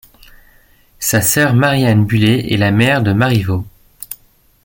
Sa sœur Marie-Anne Bullet est la mère de Marivaux.